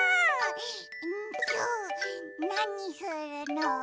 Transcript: うんとなにするの？